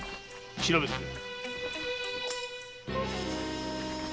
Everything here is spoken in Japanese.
調べてくれ。